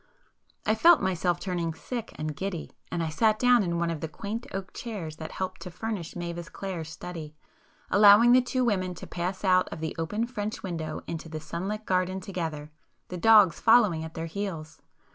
I felt myself turning sick and giddy,—and I sat down in one of the quaint oak chairs that helped to furnish Mavis Clare's study, allowing the two women to pass out of the open French window into the sunlit garden together, the dogs following at their heels.